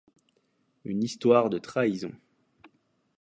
Une histoire de trahison.